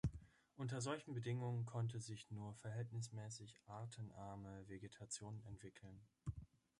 Unter solchen Bedingungen konnte sich nur verhältnismäßig artenarme Vegetation entwickeln.